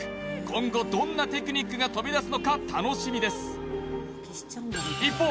今後どんなテクニックが飛び出すのか楽しみです一方